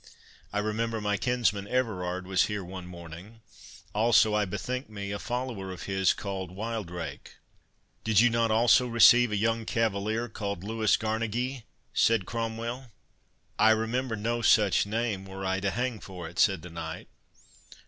"I remember my kinsman Everard was here one morning—Also, I bethink me, a follower of his, called Wildrake." "Did you not also receive a young cavalier, called Louis Garnegey?" said Cromwell. "I remember no such name, were I to hang for it," said the knight.